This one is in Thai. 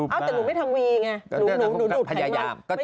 ผมไม่ทำวีไงผมดูดไขมัน